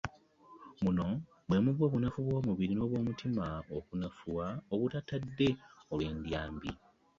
Muno mwe muva obunafu bw'omubiri n'obw'emitima okunafuwa obutatadde olw'endyambi.